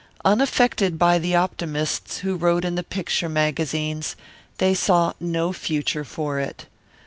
Unaffected by the optimists who wrote in the picture magazines, they saw no future for it.